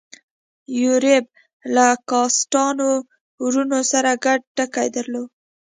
یوریب له کاسټانو وروڼو سره ګډ ټکی درلود.